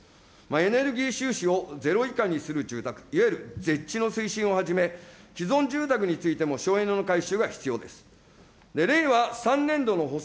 エネルギー収支をゼロ以下にする住宅、いわゆるぜっちの推進をはじめ、既存住宅についても省エネの改修が必要です。